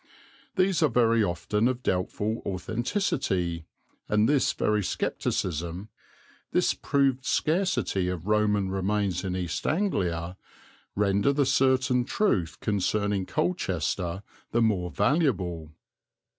These are very often of doubtful authenticity, and this very scepticism, this proved scarcity of Roman remains in East Anglia, render the certain truth concerning Colchester the more valuable.